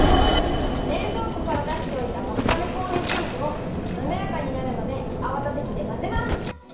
れいぞうこからだしておいたマスカルポーネチーズをなめらかになるまであわだてきでまぜます。